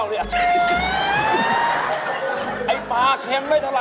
บอดกินข้าวหนึ่งคำครับ